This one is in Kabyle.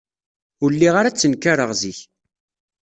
Ur lliɣ ara ttenkarɣ zik.